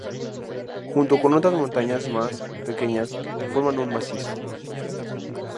Junto con otras montañas más pequeñas, forman un macizo.